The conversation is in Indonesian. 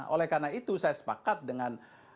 oleh karena itu saya sepakat dengan